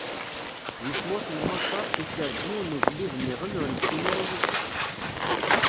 Di tmurt n Maṣer, ikker-d yiwen n ugellid-nniḍen ur nessin ara Yusef.